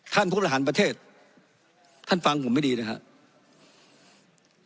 ท่านผู้ประหารประเทศท่านฟังผมไม่ดีนะครับ